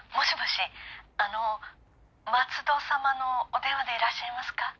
あの松戸様のお電話でいらっしゃいますか？